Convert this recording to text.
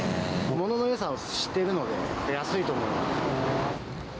もののよさを知っているので、安いと思います。